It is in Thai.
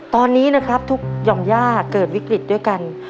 ตอนนี้นะครับทุกหย่อมย่าเกิดวิกฤตด้วยกัน